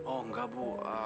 oh enggak bu